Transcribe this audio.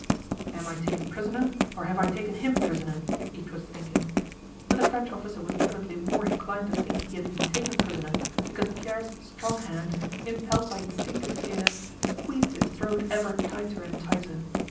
"Am I taken prisoner or have I taken him prisoner?" each was thinking. But the French officer was evidently more inclined to think he had been taken prisoner because Pierre's strong hand, impelled by instinctive fear, squeezed his throat ever tighter and tighter.